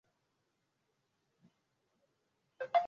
zanzibar ilijiunga na bodi ya afrika mashariki